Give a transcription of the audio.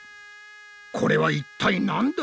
これは一体なんだ？